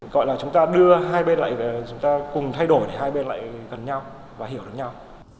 gọi là chúng ta đưa hai bên lại về chúng ta cùng thay đổi để hai bên lại gần nhau và hiểu được nhau